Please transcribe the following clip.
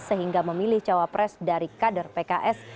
sehingga memilih cawa pres dari kadar pks